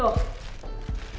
yang mana ya